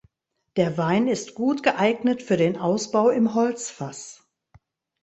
Der Wein ist gut geeignet für den Ausbau im Holzfass.